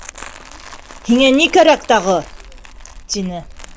— Һиңә ни кәрәк тағы? — тине.